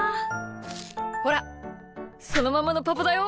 ほらそのままのパパだよ。